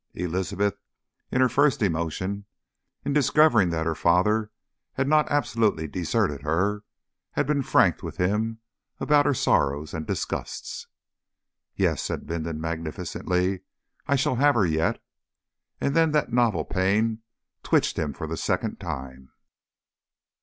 Elizabeth, in her first emotion at discovering that her father had not absolutely deserted her, had been frank with him about her sorrows and disgusts. "Yes," said Bindon, magnificently, "I shall have her yet." And then that novel pain twitched him for the second time.